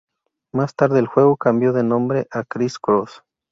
Más tarde, el juego cambió de nombre a Criss-Cross.